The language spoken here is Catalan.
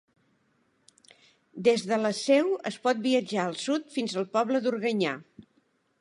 Des de la Seu es pot viatjar al sud fins al poble d'Organyà.